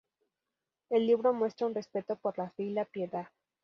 El libro muestra un respeto por la fe y la piedad.